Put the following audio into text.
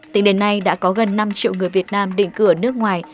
tính đến nay đã có gần năm triệu người việt nam định cư ở nước ngoài